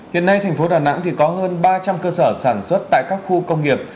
hiện nay thành phố đà nẵng có hơn ba trăm linh cơ sở sản xuất tại các khu công nghiệp